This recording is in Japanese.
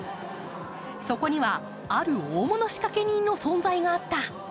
そこにはある大物仕掛け人の存在があった。